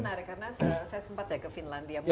menarik karena saya sempat ya ke finlandia